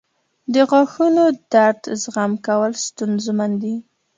• د غاښونو درد زغم کول ستونزمن دي.